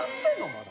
まだ。